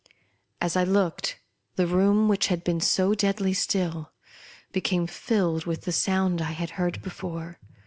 As I looked, the room, which had been so deadly still, became filled with the sound 1 had heard before.